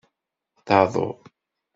D aḍu.